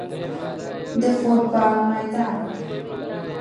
د فوټبال میدان